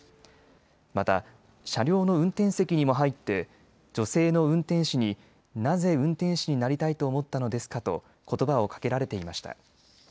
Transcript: また、車両の運転席にも入って女性の運転士になぜ運転士になりたいと思ったのですかとことばをかけられていました。